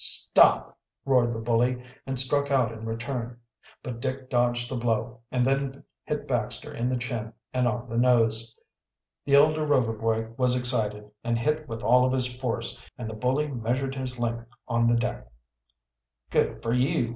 "Stop!" roared the bully, and struck out in return. But Dick dodged the blow, and then hit Baxter in the chin and on the nose. The elder Rover boy was excited, and hit with all of his force, and the bully measured his length on the deck. "Good fer you!"